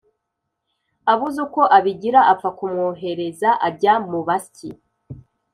abuze uko abigira apfa kumwohereza ajya mu basyi